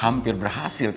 hampir berhasil ya